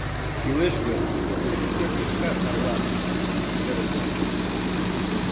Кӱлеш гын, офицер тӱшка сарланыже!.. — йырым-йыр шокта.